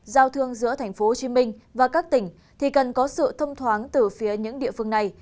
giao thương giữa tp hcm và các tỉnh thì cần có sự thông thoáng từ phía những địa phương này